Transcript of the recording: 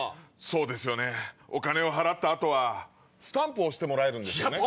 そうですよねお金を払った後はスタンプ押してもらえるんですよね。